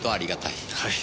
はい。